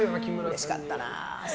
うれしかったな。